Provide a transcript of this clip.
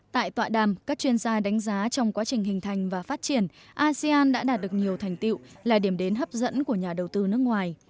tại tọa đàm các chuyên gia đánh giá trong quá trình hình thành và phát triển asean đã đạt được nhiều thành tiệu là điểm đến hấp dẫn của nhà đầu tư nước ngoài